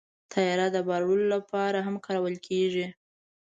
طیاره د بار وړلو لپاره هم کارول کېږي.